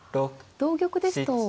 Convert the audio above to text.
同玉ですと。